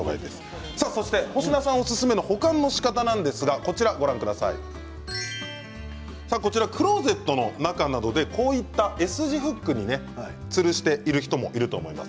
保科さんおすすめの保管のしかたですがクローゼットの中などでＳ字フックに、つるしている人もいると思います。